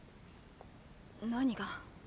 何が？